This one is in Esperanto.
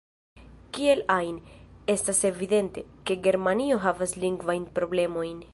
Kiel ajn, estas evidente, ke Germanio havas lingvajn problemojn.